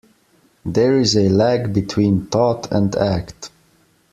There is a lag between thought and act.